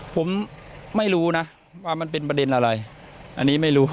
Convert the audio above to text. ผมไม่รู้นะว่ามันเป็นประเด็นอะไรอันนี้ไม่รู้